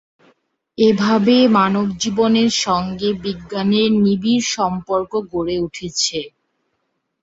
এভাবে মানবজীবনের সঙ্গে বিজ্ঞানের নিবিড় সম্পর্ক গড়ে উঠেছে।